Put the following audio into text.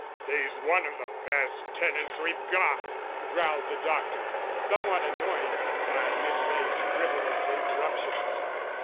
"He's one of the best tenants we've got," growled the doctor, somewhat annoyed by Miss Ley's frivolous interruptions.